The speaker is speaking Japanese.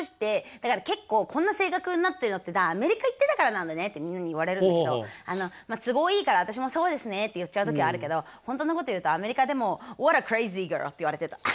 だから結構「こんな性格になってるのってアメリカ行ってたからなんだね」ってみんなに言われるんだけどまあ都合いいから私も「そうですね」って言っちゃう時あるけど本当のこと言うとアメリカでも「ホワットアクレイジーガール」っていわれてた。